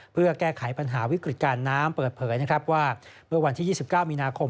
เพื่อแก้ไขปัญหาวิกฤติการน้ำเปิดเผยนะครับว่าเมื่อวันที่๒๙มีนาคม